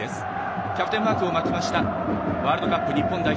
キャプテンマークを巻くワールドカップ日本代表